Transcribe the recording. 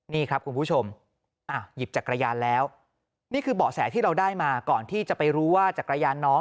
นี่ครับคุณผู้ชมหยิบจักรยานแล้วนี่คือเบาะแสที่เราได้มาก่อนที่จะไปรู้ว่าจักรยานน้อง